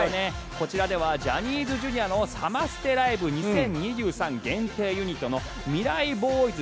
こちらではジャニーズＪｒ．のサマステライブ２０２３限定ユニットのミライＢｏｙｓ